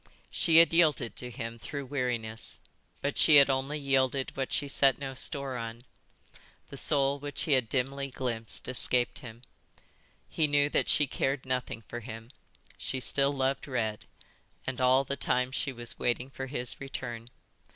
She had yielded to him, through weariness, but she had only yielded what she set no store on. The soul which he had dimly glimpsed escaped him. He knew that she cared nothing for him. She still loved Red, and all the time she was waiting for his return.